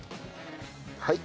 はい。